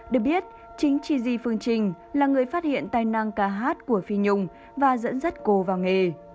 được biết chính chi di phương trình là người phát hiện tài năng ca hát của phi nhung và dẫn dắt cô vào nghề